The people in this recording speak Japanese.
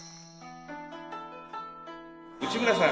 内村さん